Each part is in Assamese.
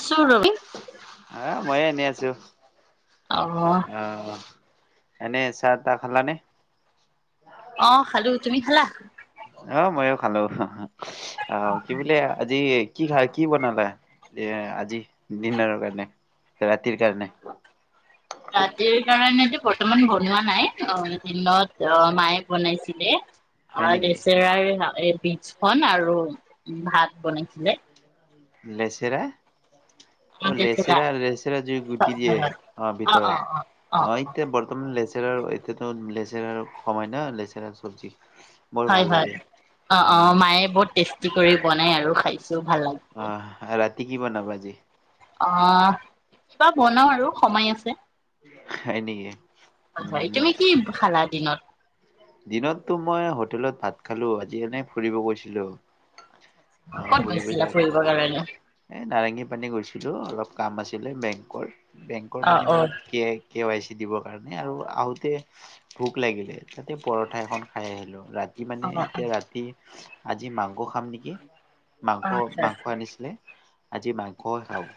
আছো ৰবি আহ ময়ো এনে আছো। অ অ', এনে চাহ তা খালানে। অ', খালো তুমি খালা। অ', ময়ো খালো। অ', কি বোলে আজি কি খাই কি বনালা এ আজি ডিনাৰৰ, কাৰণে ৰাতিৰ কাৰণে ৰাতি কাৰণেতো বৰ্তমান বনোৱা নাই অ', দিনত অ', মায়ে বনাইছিলে। হয় অ', নেকি লেচেৰাৰ শাক এই ডিজখন আৰু ভাত, বনাইছিলে। লেচেৰা অ অ', লেচেৰা লেচেৰা যি গুটি দিয়ে অ', ভিতৰত অ', এতিয়া বৰ্তমান লেচেৰা লেচেৰাৰ এতিয়াতো লেচেৰাৰ সময় ন লেচেৰা চব্জি। বৰ হয় ভাল হয় লাগে অ অ উম মায়ে বহুত টেষ্টি কৰি বনাই আৰু খাইছো চব ভাল লাগে তি কি বনাবা আজি অ কিবা বনাও আৰু সময় আছে হয় নেকি হয় হয় উম তুমি কি খালা দিনত দিনততো মই হোটেলত ভাত খালো আজি এনেই ফুৰিব গৈছিলো অহ ক'ত ফুৰিব গৈছিলা যাও ফুৰিবৰ কাৰণে এ নাৰেংগী পানী গৈছিলো অলপ কাম আছিলে বেংকৰ বেংকৰ অ মানে অ অলপ কে কেৱাইচি দিবৰ কাৰণে আৰু আহোতে ভোক লাগিলে তা তে পৰঠা এখন খাই আহিলো ৰা কি অ মানে অ এতিয়া ৰাতি আজি মাংস খাম নেকি মাংস আচ্ছা মাংস আচ্ছা আনিছিলে আজি বা কল খাব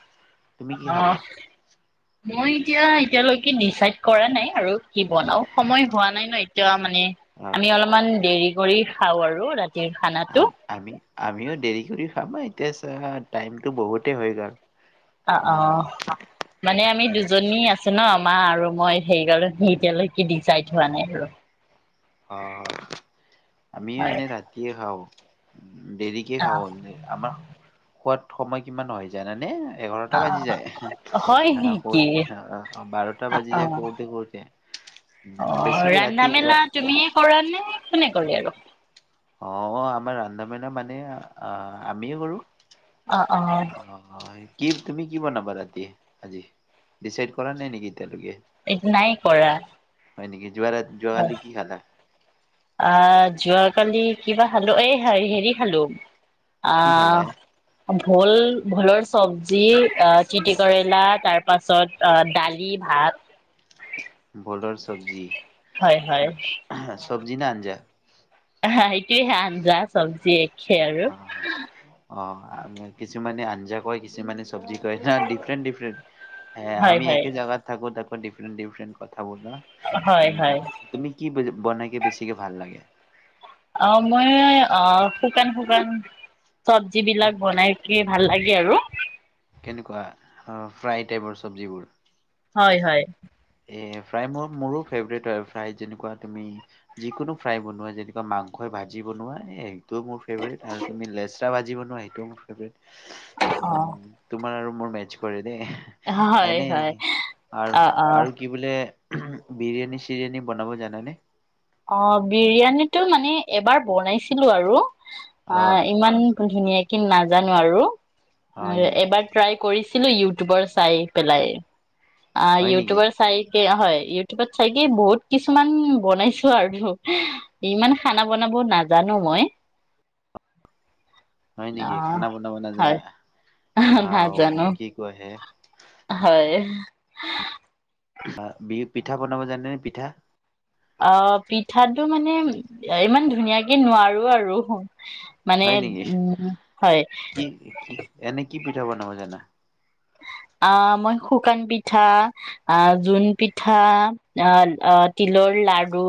তুমি কি অ খাবা মই এতিয়া এতিয়ালৈকে ডিচাইড কৰা নাই আৰু কি বনাও সময় হোৱা নাই ন এতিয়া মানে অ আমি অলপমান দেৰি কৰি খাওঁ আৰু ৰা তি খানাটো আমি আমিও দেৰি কৰি খামা এতিয়া চ টাইমটো বহুতে হৈ গ'ল অ অ উম মানে আমি আৰে দুজনী আছো ন আ মা আৰু মই হেৰি গালো সে এতিয়ালৈকে দি চাইড হোৱা নাই আৰু অ আমিও হয় এনেই ৰাতিয়ে খাওঁ [unintelligible] দেৰিকে অ খাও আমি আমাৰ খোৱাত সময় কিমান হয় জানানে এঘাৰটা বাজি যায় অ হয় নেকি বাৰটা বাজি অ যায় কৰোতে কৰোতে উম, অ বেছিকে ৰন্ধা ৰাতি মেলা তুমিয়ে কৰা নে কোনে কৰে আৰু অ আমাৰ ৰন্ধা বঢ়া মানে আহ আমিয়ে কৰো অ অ অ সেই কি তুমি কি বনাবা ৰাতি আজি ডিচাইড কৰা নাই নেকি এতিয়ালৈকে? এইটো নাই কৰা। হয় নেকি? যোৱা ৰা অ যোৱাকালি কি খালা? আ যোৱা কালি, কিবা খালো এই হ হেৰি খালো। কি খালা হে আহ ভোল, ভোলৰ চব্জি, তিতিকেৰেলা তাৰ পাছত দালি ভাত ভোলৰ চব্জি। হয় হয়। চব্জি না আঞ্জা? অ সেইটোৱে হয় আঞ্জা চব্জি জে কে আৰু অ' অ কিছুমানে আঞ্জা কয়, কিছুমানে চব্জি চজি কয়। ডিফ্ৰেন্ট ডিফ্ৰেন্ট, হয় হয় একে জাগাত থাকো তাক ডিফ্ৰেন্ট ডিফ্ৰেণ্ট কথা উ হয় হয় তুমি কি বু বনাইকে বেছিকে ভাল লাগে। অ মই অ শুকান শুকান, চব্জি বিলাক বনাই কে ভাল লাগে। আৰু [inaudible] কেনেকুৱা ফ্ৰাই টাইপৰ চব্জিবোৰ? হয় হয়। এই ফ্ৰাই মোৰ মোৰো ফেভৰেট হ। য় ফ্ৰাই যেনেকুৱা তুমি যিকোনো ফ্ৰাই বনোৱা যেনেকুৱা মাংসই ভাজি বনোৱা, এই ত মোৰ ফেভ্ৰেট আৰু তুমি লেচৰা ভাজিব, ন সেটো মোৰ ফেভ্ৰেট। অ তোমাৰ আৰু মোৰ মেচ কৰে এ হয় এনেই হয় আৰু অ অ আৰু কি বোলে, বিৰিয়ানী চিৰিয়ানী বনাব জানে নে? অ বিৰিয়ানীটো মানে এবাৰ বনাইছিলো আৰু। অ ইমান ধুনীয়াকে কিন্তু নাজানো আৰু। হয় নেকি? এবাৰ ট্ৰাই কৰিছ ছিলো ইউটিউবৰ চাই পেলাই। অ হয় নেকি? ইউটিউবৰ চাই হয় ইউটিউবত চাইগে বহুত কিছুমান বনাইছো। আৰু ইমান খানা বনাব নাজানো মই। হয় অ নেকি খানা বনাব হয় নাজানা। আহ নাজানো কি কয়। [unintelligible] স [unintelligible] হয়। পিঠা বনাব জানেনে পিঠা। অ পিঠাটো মানে ইমান ধুনীয়াকে নোৱাৰো আৰু। মানে হয় নেকি? উম হয়। কি কি এনে কি পিঠা বনাব জানা। আহ মই শুকান পিঠা আহ জোন পিঠা তিলৰ লাৰু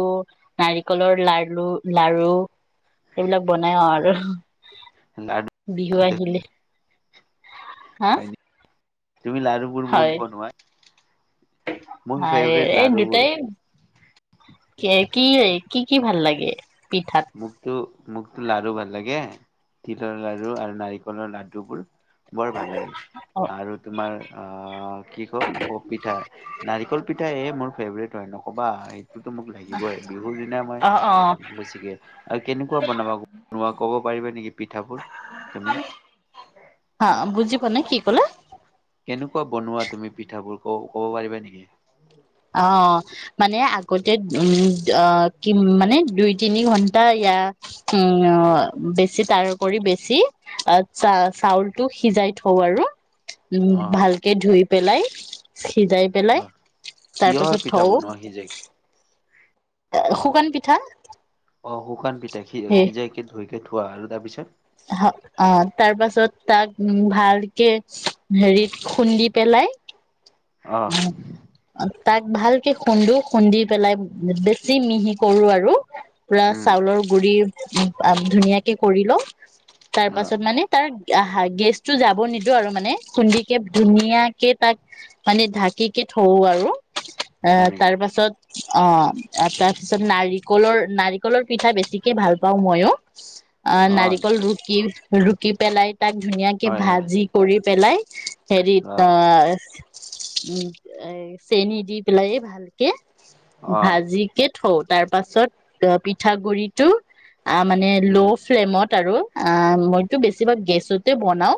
নাৰিকলৰ লাৰু এইবিলাক বানাও আৰু। লাডু বিহু হয় আহিলে। হা। নেকি? তুমি লাডুবোৰ বহুত হয় বনোৱা? মোৰ হয় ফেভৰেট এই লাডুবোৰ। দুটাই কি কি কি কি ভাল লাগে। এ। পিঠাত। মোকতো মোকতো লাডু ভাল লাগে তিলৰ লাডু আৰু নাৰিকলৰ লাডু বোৰ। বৰ ভাল লাগে, অ আৰু তোমাৰ। অঁ। কি ক'ম পিঠা নাৰিকল পিঠা এই। মোৰ ফেভৰেট হয়, নক'বা। তো মোক লাগিবই বিহুৰ দিনা মই অ অ বৈছিকে [unintelligible] কেনেকুৱা বনাবা বনোৱা ক'ব পাৰিবা। নেি [unintelligible] হা বুজি পোৱা নাই কি ক'লে। কেনেকুৱা বনোৱা তুমি পিঠাবোৰ কব পাৰিবা নেকি। অ মানে আগতে। উম অ কি মানে। দুই তিনি ঘন্টা ইয়য়া বেছি তাৰপৰি বেছি, চাউলটো সিজাই থওঁ আৰু। উম অ ভালকে ধুই। পেলাই। থ যায় পেলাই অ [unintelligible] কিহৰ পাছত পিঠা থওঁ বনোৱা হিজাই। আহ শুকান পিঠা আহ শুকান পিঠাক সেই সিজাইকে ধই। কে থুোৱা আৰু তাৰপিছত অ তাৰ পাছত তাক ভালকে হেৰিত খুন্দি পেলাই অহ তাক ভালকে খুন্দি খুন্দি পেলাই বেছি মিহি কৰো আৰু পুৰা উম চাউলৰ গুৰি ধুনীয়াকে কৰিলো তাৰ অ পাছত মানে তাৰ আহা গেছটো যাব নিদিও আৰু মানে খুন্দিকে ধুনীয়াকে তাক মানে ঢাকিকে থৰো আৰু এ হয় নেকি তাৰ পাছত অ তাৰপিছত নাৰিকলৰ নাৰিকলৰ পিঠা বেছিকে ভাল পাওঁ ময়ো অ নাৰিকল ৰুকি ৰুকি পেলাই তাক ধুনীয়াকে হয় হয় ভাজি কৰি পেলাই হেৰি অ ত উম এ চেনী দি পেলাই ভালকে অ ভাজি কে থ তাৰ পাছত অ পিঠা গুৰিটো আ মানে উম ল' ফ্লেমত আৰু অ মইতো বেছিভাগ গেছতে বনাও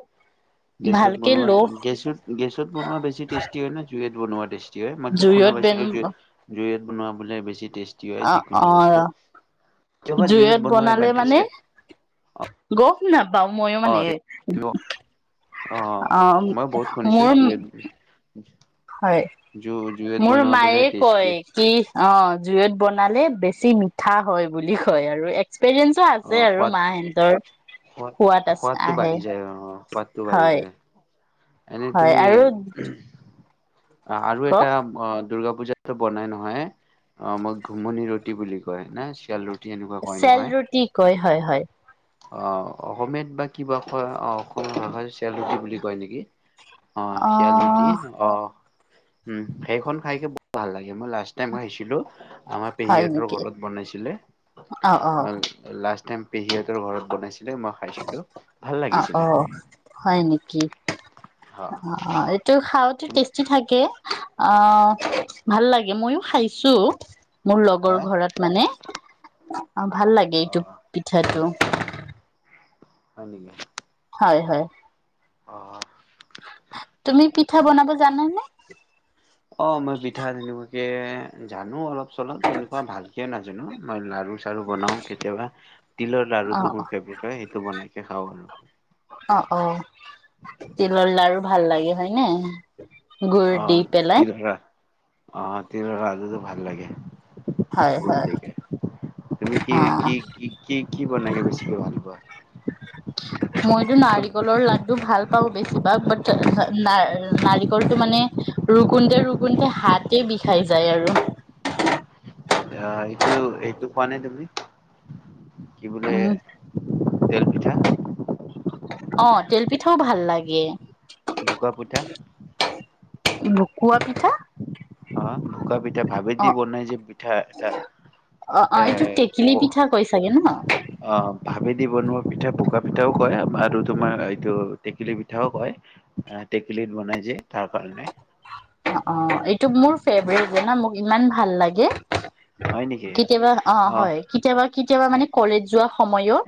গেছত ভালকে ল' বনোৱােছত গেছত বনোৱা বেছি টেষ্ট হয় নে জুইত বনোৱা তেচটি মই শুনা জুইত বেন পাইছিলো জুই ত বনোৱা বোলে বেছি টেষ্টি হয় অ যিকোনো অ বস্তু কিয় বা জুইত বনোৱা বনালে ইমান মানে টেষ্টি গফ নাপ বা ময়ো অ মানে অ মই বহুত শুনিছো মোৰ জুইত হয় জু জুইত মোৰ বনোৱা বোলে মায়ে টেষ্টি কয় কি অ জুইত বনালে বেছি বেছি মিঠা হয় বুলি কয় আৰু এক্সপিৰিয়েঞ্চো অ আছে আৰু সোৱাদ মাহিঁতৰ সোৱাদ সোৱাত আছে সোৱাদটো আহে বাঢ়ি যায় অ সোৱাদটো বাঢ়ি হয় যায় এনে হয় তুমি আৰু আৰু এটা কওক দুৰ্গা পূজাতটো বনাই নহয়। অহ মই ঘুমনি ৰুটি বুলি কয় না চিয়াল ৰুটি এনেকুৱা কয় নহয়। কয হয়-হয়। অ অসমীয়াত বা কিবা কৈ? অহ, অসমীয়া ভাষাটো চেলি বুলি কয় নেকি? অহ, শিয়াল ৰুটি। অ', অহ। উম, সেইখন খাইকে বহুত ভাল লাগে। মই লাষ্ট টাইম খাইছিলো, আমাৰ হয় পেহীহতৰ নেকি? ঘৰত বনাইছিলে। অ', অ', মই লাষ্ট টাইম পেহী ঘৰত বনাইছিল। মই খাইছিলো, ভাল অ', লাগিছিলে। অ', অ অহ-অহ-অহ, এইটো তুমি টেষ্টি থাকে। অহ, ভাল লাগে। ময়ো খাইছো মোৰ লগৰ হা ঘৰত মানে। [unintelligible] অহ ভাল লাগে অ এইটো পিঠাটো। হয় নেকি? হয়-হয় অহ। পিঠা বনাব [unintelligible] অহ মই পিঠা তেনেকুৱাকে, জানো অলপ। প্ৰচলন তেনেকুৱা ভালকে নাজানো। মই লাৰু চাৰু বও কেতিয়াবা। তিলৰ লাৰুটো অ', মোৰ ফেভ্ৰেত হয়, হেতু বনাই খাওঁ আৰু। অহ-অহ, তিলৰ লাৰু ভাল লাগে হয় নে? গুুৰ দি পেলাই। অহ, তিলৰ লাডুটো ভাল লাগে। হয়, হয়। গতিকে, তুমি অ', কি-কি-কি-কি-কি বেছিকে বনাই বেছি ভাল পোৱা? মইতো নাৰিকলৰ লাডু ভাল পাওঁ বেছিভাগ বাট ন-নাৰিকলটো মানে ৰুকুতে ৰুকুতে হাতে বিষাই যায় আৰু। আহ এইটো-এইটো খোৱা নে তুমি? কি বোলে উম তেল পিঠা? অহ, তেল পিঠাও ভাল লাগে। বোকা পিঠা? বোকোৱাপিঠা? অহ, ভোকা পিঠা ভাবেদি বনাই যে পিঠা এটা? অ অ এ এইটো টেকেলি ক পিঠা কৈ চাগে ন অ অহ, ভাবেদি বনোৱা পিঠা বোকা পিঠাও কয়। বাৰু তোমাৰ এইটো টেকেলি পিঠাও কয় টেকেলিত বনাই যে তাৰ কাৰণে অ অ এইটো মোৰ ফেভৰেট জান মোক ইমান ভাল লাগে হয় নেকি? কেতিয়াবা অ হয় কেতিয়াবা কেতিয়াবা মানে কলেজ যোৱা সময়ও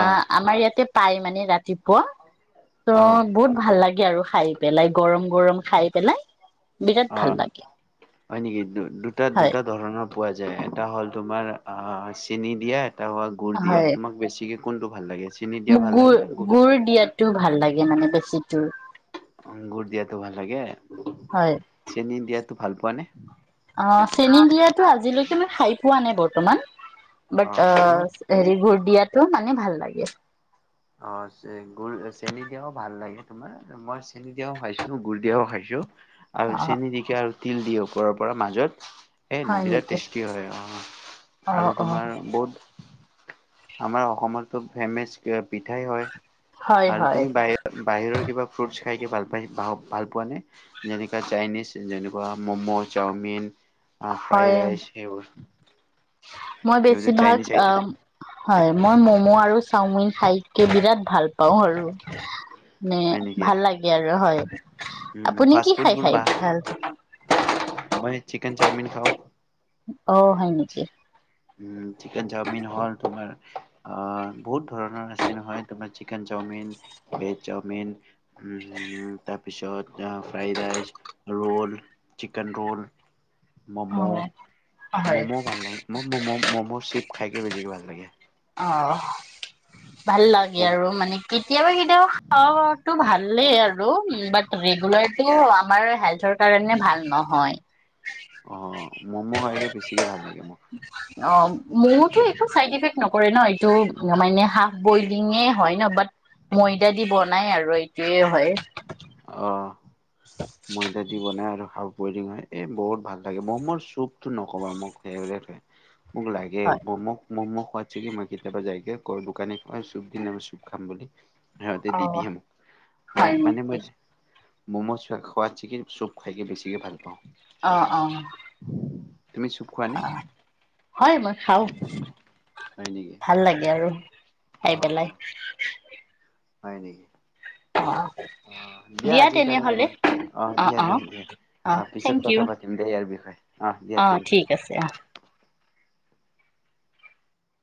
অ আমাৰ ইয়াতে পাই মানে ৰাতিপুৱা তো অ', বহুত ভাল লাগে দিয়া আৰু খাই পেলাই গৰম গৰম খাই পেলাই বিৰাট ভাল অ', লাগে হয় নেকি দু দুটা হয় দুটা ধৰণৰ পোৱা যায় এটা হ'ল তোমাৰ আহ চেনি দিয়া এটা হোৱা গুৰ দিয়া হয় তোমাক বেছিকে কোনটো ভাল লাগে চেনি দিয়া মোক ভাল গু় লাগে নে গুড়? গুৰ দিয়াটো ভাল লাগে মানে বেছি তো উও গুৰ দিয়াটো ভাল লাগে হয় চেনি দিয়াত তো ভাল পোৱা নে অ চেনী দিয়াটো আজিলৈকে মই খাই পোৱা নাই বৰ্তমান বৰ্তমান বাট অ হেৰিবোৰদিয়াত তো মানে ভাল লাগে অ গুৰ চেনি দিয়াও ভাল লাগে তোমাৰ মই চেনি দিয়াও খাইছো গুৰ দিয়াও খাইছো আৰু অ চেনি দিকে আৰু তিল দিয়ে ওপৰত ওপৰৰ পৰা মাজত এ হয় বিৰাট নেকি টেষ্টি হয় আহ অ আৰু অ তোমাৰ বহুত আমাৰ অসমৰতো ফেমেচ পিঠাই হয় হয় আৰু হয় তুমি বাহি বাহিৰৰ কিবা ফ্ৰুটছ খাইকে ভাল পায় ভ ভাল পোৱা নে যেনেকুৱা চাইনিজ যেনেকুৱা ম'ম' চাওমিন অ হয় ফ্ৰাইড ৰাইচ সেইবোৰ মই এইবোৰ বেছিভাগ চাইনিজ আইটেম হয় মই মম' আৰু চাওমিন খাই বিৰাট ভাল পাওঁ আৰু মানে ভাল লাগে আৰু হয় উ আপুনি কি ফাষ্ট ফুড খাই বোৰ খাই বা ভাল মই চিকেন চাওমিন খাওঁ অঁ হয় নেকি? উ চিকেন চাওমিন হল তোমাৰ আহ বহুত ধৰণৰ আচ হয় তোমাৰ চিকেন চাওমিন ভেজ চাওমিন তাৰপিছত fried rice roll chicken roll momo অ হয় ম'ম ভাল লাগে ম'ম, ম'ম খাইকে বেছি ভাল লাগে অঁ ভাল লাগে মম আৰু মানে কেতিয়াবা কেতিয়াওঁ খাওঁ টো ভাল ভালেই আৰু বাট ৰেগুলাৰ তো আমাৰ কাৰণে ভাল নহয় অ' ম'ম' খাইকে বেছিকে ভাল লাগে মোক। অঁ মোৰতো একো চাইড ইফেক্ট নকৰে ন এইটো মানে হাফ বইলিঙে হয় ন বাট ময়দা দি বনাই আৰু এইটোয়ে হয়। অঁ। ময়দা দি বনাই আৰু খা ব হয় এই বহুত ভাল লাগে ম মোৰ চুপতটো নকবা মোক সে থ মোক লাগে ম'ম' মম' খ কি মই কেতিয়াবা যাইগে কৰ দোকানে খ চুপ দি চুপ খাম বুলি। সিহঁতে অ'। দিদিহে মোক ম হয় মানে নেকি? মই ম'ম চোৱা খাওঁ সোৱাদ চিকে চুব খাই বেছিকৈ ভাল। পাওঁ তুমি চুপ খোৱা নে অঁ হয় মই খাওঁ হয় নেকি ভাল লাগে আৰু খাই অ পেলাই। হয় নেকি। অ', আহ দিয়া আজ কাৰালি আহ অ', দিয়া দিয়া অ', দিয়া আহ অ', পিছত থেংক ইউ কথা পাতিম দিয় ইয়াৰ বিষয়ে আহ দিয়া অ', থেংক ঠিক আছে অ'। ইউ